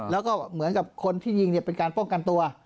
แล้วก็เหมือนกับคนที่ยิงเนี่ยเป็นการป้องกันตัว